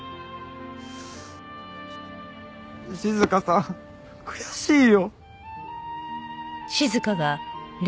静さん悔しいよ。